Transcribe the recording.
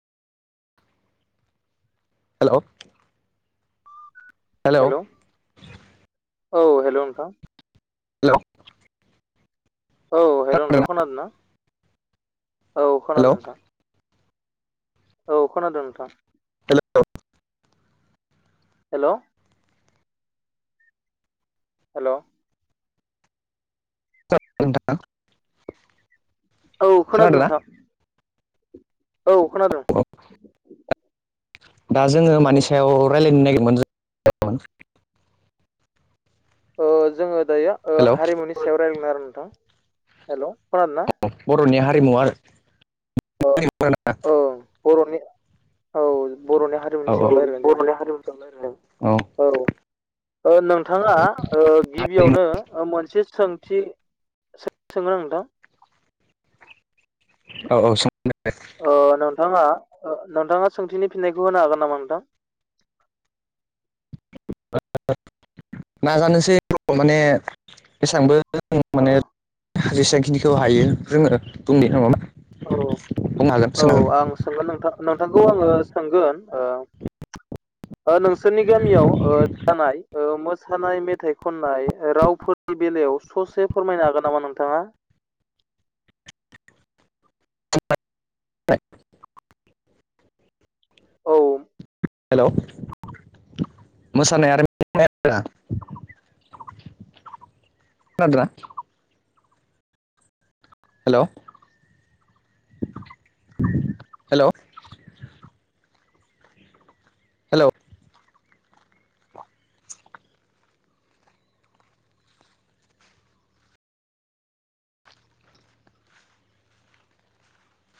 Hello. Hello hello औ hello नोंथां। Hello. औ हेलौ नोंथां खोनादों ना, औ हेल' खोनादों नोंथां। औ खोनादों नोंथां। हेलौ। हेलौ। हेलौ। [unintelligible] औ खोनादो खोनादों ना नोथां। औ खोनादों। औ दा जोङो औ मानि सायाव रायलायनो नागिरमोन जो [unintelligible] ओ जोङो दायो ओ हेल' हारिमुनि सायाव रायज्लायगोन आरो नोंथां हेलौ खोनादों ना? बर'नि हारिमु आरो ओ [unintelligible] औ बर'नि औ बर'नि हारि औ औ औ। औ ओ नोंथाङा ओ हारिमु गिबियावनो मोनसे सोंथि सो-सोंगोन आं नोंथां। औ औ [unintelligible] ओ नोंथाङा ओ नोंथाङा सोंथिनि फिननायखौ होनो हागोन नामा नोंथां? नाजानोसै माने एबांबो अ। जेसां खिनिखौ हायो जोङो बुंनि नङा बा? औ औ आं सोंगोन नोंथां नोंथांखौ आङो सोंगोन ओ ओ नोंसोरनि गामियाव ओ जानाय ओ मोसानाय मेथाइ खननाय रावफोरनि बेलायाव ससे फोरमायनो हागोन नामा नोंथाङा? [unintelligible] औ हेल' मोसानाय आरो [unintelligible] खोनादोंना? हेल' हेल' हेल'